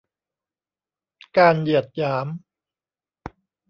การเหยียดหยาม